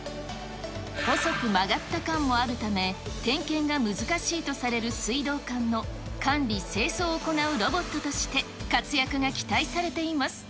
細く曲がった管もあるため、点検が難しいとされる水道管の管理・清掃を行うロボットとして活躍が期待されています。